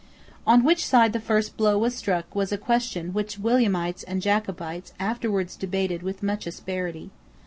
On which side the first blow was struck was a question which Williamites and Jacobites afterwards debated with much asperity.